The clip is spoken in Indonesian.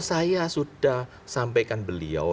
saya sudah sampaikan beliau